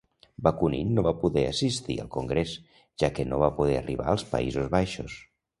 Bakunin no va poder assistir al congrés, ja que no va poder arribar als Països Baixos.